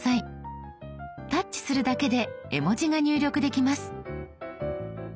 タッチするだけで絵文字が入力できます。